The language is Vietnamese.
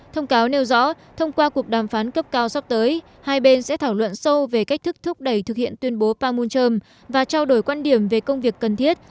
thông cáo nêu rõ thông qua cuộc đàm phán cấp cao sắp tới hai bên sẽ thảo luận sâu về cách thức thúc đẩy thực hiện tuyên bố pangmunjom và trao đổi quan điểm về công việc cần thiết